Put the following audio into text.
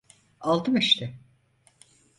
Aldım işte…